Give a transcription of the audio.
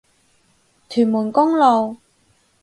屯門公路